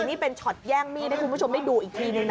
นี่เป็นช็อตแย่งมีดให้คุณผู้ชมได้ดูอีกทีนึงนะ